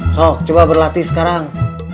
sok coba berlatih sekarang